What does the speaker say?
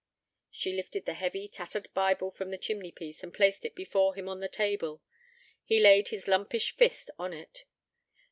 She lifted the heavy, tattered Bible from the chimney piece, and placed it before him on the table. He laid his lumpish fist on it.